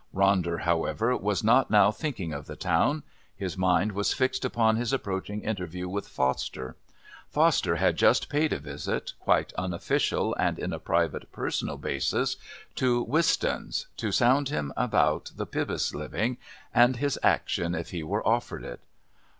Ronder, however, was not now thinking of the town. His mind was fixed upon his approaching interview with Foster. Foster had just paid a visit, quite unofficial and on a private personal basis, to Wistons, to sound him about the Pybus living and his action if he were offered it.